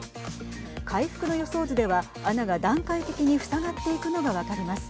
回復の予想図では穴が段階的に塞がっていくのが分かります。